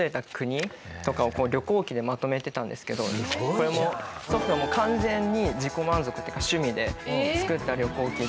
これも祖父の完全に自己満足というか趣味で作った旅行記で。